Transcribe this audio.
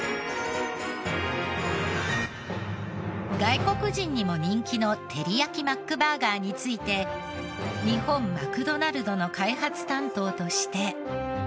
外国人にも人気のてりやきマックバーガーについて日本マクドナルドの開発担当として。